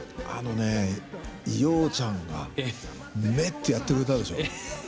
あのね洋ちゃんが「めッ」ってやってくれたでしょ。